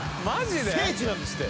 聖地なんですって。